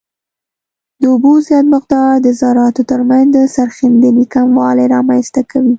د اوبو زیات مقدار د ذراتو ترمنځ د سریښېدنې کموالی رامنځته کوي